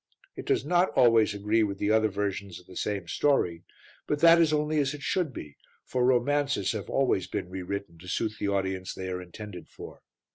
It does not always agree with the other versions of the same story; but that is only as it should be, for romances have always been re written to suit the audience they are intended for.